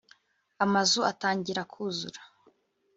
amazu atangira kuzura